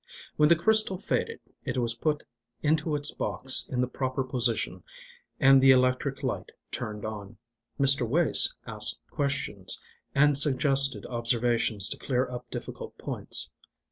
When the crystal faded, it was put into its box in the proper position and the electric light turned on. Mr. Wace asked questions, and suggested observations to clear up difficult points.